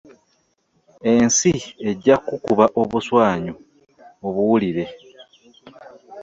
Ensi ejja kukukuba obuswanyu obuwulire.